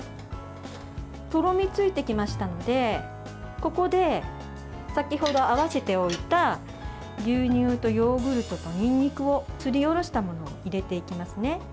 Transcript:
とろみついてきましたのでここで先ほど合わせておいた牛乳とヨーグルトとにんにくをすりおろしたものを入れていきますね。